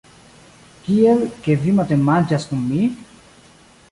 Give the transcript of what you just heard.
Kiel, ke vi matenmanĝas kun mi?